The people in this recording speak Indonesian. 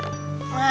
aduh aku nyari nyari